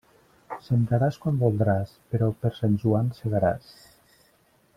Sembraràs quan voldràs, però per Sant Joan segaràs.